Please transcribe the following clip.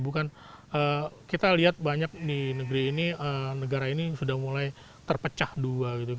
bukan kita lihat banyak di negeri ini negara ini sudah mulai terpecah dua gitu